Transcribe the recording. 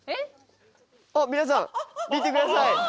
あっ皆さん見てください！